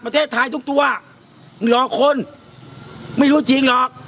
ไม่รู้ว่าหลอกคนไม่รู้จริงหรอก